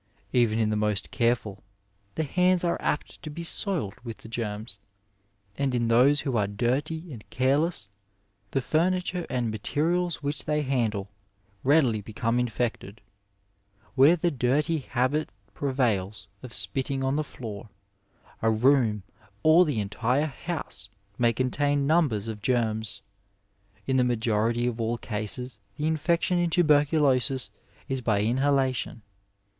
Even in the most careful the hands are apt to be soiled with the germs, and in those who are dirty and careless the furniture and materials which they handle readily become infected; Where the dirty habit prevails of ' spitting on the floor, a room, or the entire house, may contain numbers of germs. In the majority of all cases the infection in tuberculosis is by inhalation.